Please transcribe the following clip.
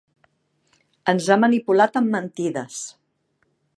Ens ha manipulat amb mentides.